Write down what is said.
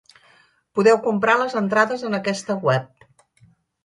Podeu comprar les entrades en aquesta web.